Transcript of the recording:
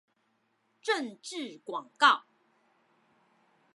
政治廣告